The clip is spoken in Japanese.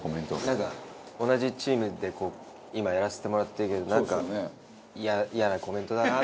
なんか同じチームでこう今やらせてもらってるけどなんかイヤなコメントだな。